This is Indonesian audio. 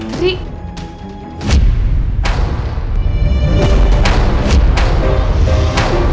dewa temen aku